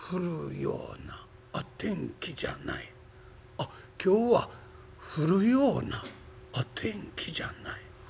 あっ今日は降るような天気じゃない？